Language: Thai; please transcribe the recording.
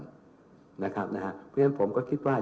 เพราะฉะนั้นผมก็คิดว่า